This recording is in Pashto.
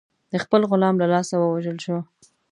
د خپل غلام له لاسه ووژل شو.